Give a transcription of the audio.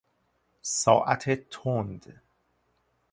ساعت تند